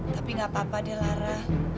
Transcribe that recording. tapi gak apa apa dia lara